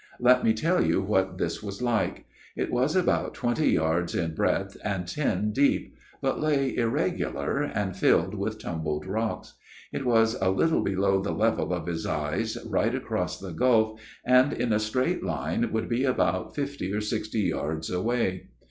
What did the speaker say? " Let me tell you what this was like. It was about twenty yards in breadth, and ten deep ; but lay irregular, and filled with tumbled rocks. It was a little below the level of his eyes, right across the gulf ; and, in a straight line, would be about fifty or sixty yards away.